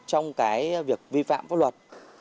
trong việc vi phạm pháp luật